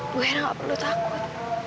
bu hera nggak perlu takut